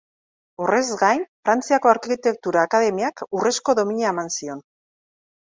Horrez gain, Frantziako Arkitektura Akademiak urrezko domina eman zion.